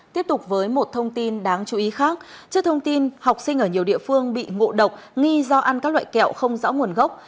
tiếp tục với một thông tin đáng chú ý khác trước thông tin học sinh ở nhiều địa phương bị ngộ độc nghi do ăn các loại kẹo không rõ nguồn gốc